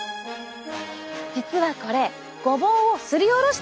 実はこれごぼうをすりおろしたものなんです。